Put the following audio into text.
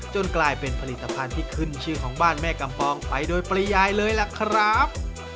กลายเป็นผลิตภัณฑ์ที่ขึ้นชื่อของบ้านแม่กำปองไปโดยปริยายเลยล่ะครับ